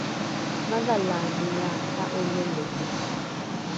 madhalaamiae ta’olroli